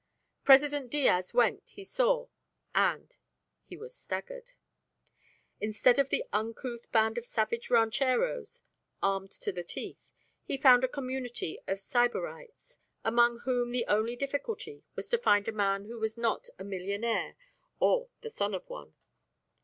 President Diaz went, he saw, and he ... was staggered. Instead of the uncouth band of savage rancheros, armed to the teeth, he found a community of sybarites among whom the only difficulty was to find a man who was not a millionaire or the son of one.